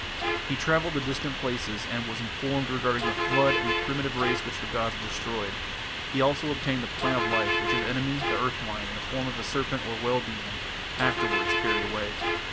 He travelled to distant places, and was informed regarding the flood and the primitive race which the gods destroyed; he also obtained the plant of life, which his enemy, the earth lion, in the form of a serpent or well demon, afterwards carried away.